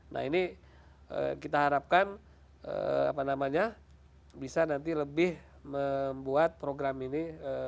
nah ini kita harapkan apa namanya bisa nanti lebih membuat program ini